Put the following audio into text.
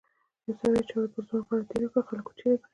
یوه سړي چاړه پر ځوان غاړه تېره کړه خلکو چیغې کړې.